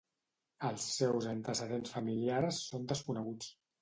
Els seus antecedents familiars són desconeguts.